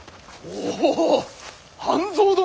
おおっ半蔵殿！